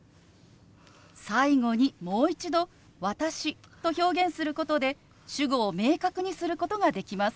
最後にもう一度「私」と表現することで主語を明確にすることができます。